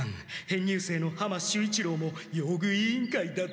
編入生の浜守一郎も用具委員会だった。